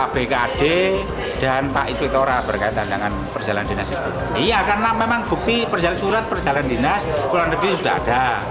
bukti perjalanan surat perjalanan dinas kurang lebih sudah ada